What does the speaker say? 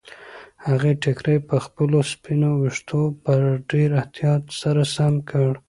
هغې ټیکری پر خپلو سپینو ویښتو په ډېر احتیاط سره سم کړ.